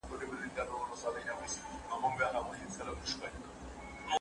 ژبه ژوندۍ ده.